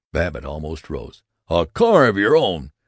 Babbitt almost rose. "A car of your own!